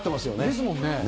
ですもんね。